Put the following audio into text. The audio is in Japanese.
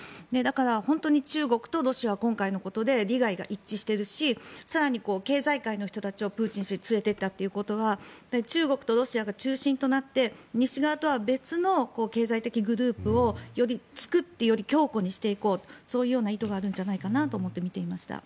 本当に中国とロシアは今回のことで利害が一致しているし更に経済界の人たちをプーチン氏は連れていったということは中国とロシアが中心となって西側とは別の経済的グループをより強固にしていこうとそういう意図があるんじゃないかなと思って見ていました。